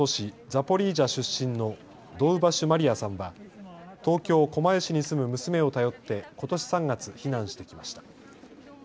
ザポリージャ出身のドウバシュ・マリアさんは東京狛江市に住む娘を頼ってことし３月、避難してきました。